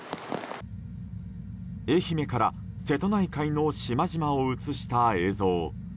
愛媛から瀬戸内海の島々を映した映像。